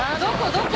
どこ？